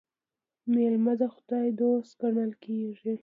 مېلمه د خداى دوست ګڼل کېږي.